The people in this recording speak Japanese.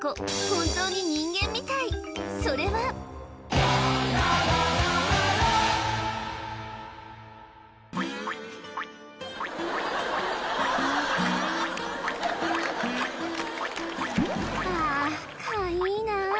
本当に人間みたいそれは「ああかいなあ」